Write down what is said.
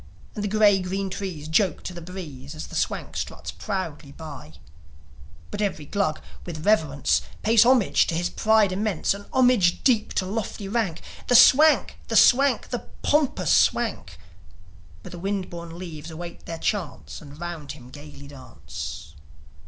And the gay green trees joke to the breeze, As the Swank struts proudly by; But every Glug, with reverence, Pays homage to his pride immense A homage deep to lofty rank The Swank! The Swank! The pompous Swank! But the wind borne leaves await their chance And round him gaily dance.